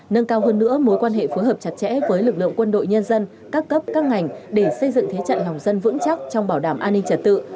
nâng cao hơn nữa mối quan hệ phối hợp chặt chẽ với lực lượng quân đội nhân dân các cấp các ngành để xây dựng thế trận lòng dân vững chắc trong bảo đảm an ninh trật tự